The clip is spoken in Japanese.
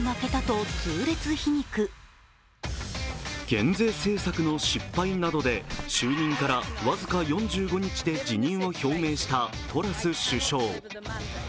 減税政策の失敗などで就任から僅か４５日で辞任を表明したトラス首相。